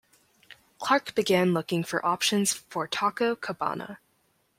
Clark began looking for options for Taco Cabana.